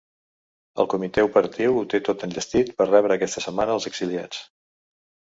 El comitè operatiu ho té tot enllestit per rebre aquesta setmana els exiliats.